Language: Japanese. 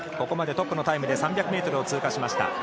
ここまでトップのタイムで３００ｍを通過しました。